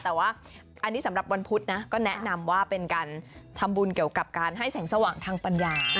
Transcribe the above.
แต่ว่าอันนี้สำหรับวันพุธนะก็แนะนำว่าเป็นการทำบุญเกี่ยวกับการให้แสงสว่างทางปัญญา